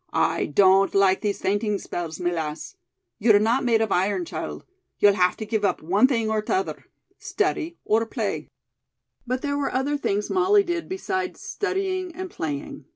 "I don't like these fainting spells, my lass. You're not made of iron, child. You'll have to give up one thing or t'other study or play." But there were other things Molly did beside studying and playing.